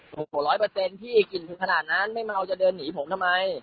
โอ้โหร้อยเปอร์เซ็นต์พี่กลิ่นถึงขนาดนั้นไม่เมาจะเดินหนีผมทำไม